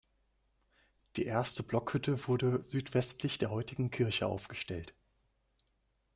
Die erste Blockhütte wurde südwestlich der heutigen Kirche aufgestellt.